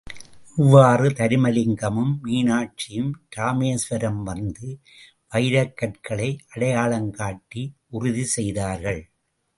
இவ்வாறு தருமலிங்கமும், மீனாட்சியும் இராமேஸ்வரம் வந்து, வைரக்கற்களை அடையாளம் காட்டி உறுதி செய்தார்கள்.